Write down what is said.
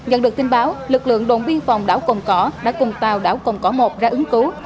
nhận được tin báo lực lượng đồn biên phòng đảo cồng cỏ đã cùng tàu đảo cồng cỏ một ra ứng cứu